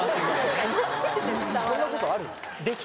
・そんなことある？